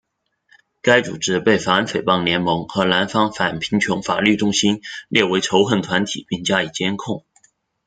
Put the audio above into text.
该组织被反诽谤联盟和南方反贫穷法律中心列为仇恨团体并加以监控。